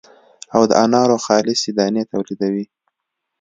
او د انارو خالصې دانې تولیدوي.